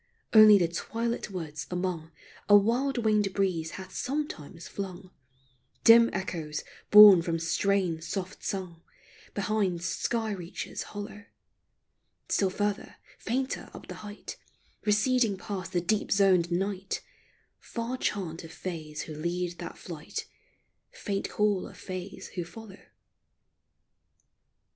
Only the twilit woods among A wild winged breeze hath sometimes flung Dim echoes borne from strains soft sung Beyond sky reaches hollow ; Still further, fainter up the height, Receding past the deep zoned night — Far chant of Fays who lead that flight, Faint call of Fays who follow.